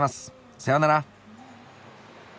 さよなら。